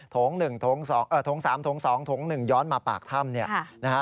โถง๓โถง๒โถง๑ย้อนมาปากถ้ำ